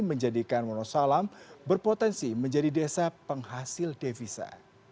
menjadikan wonosalam berpotensi menjadi desa penghasil devisa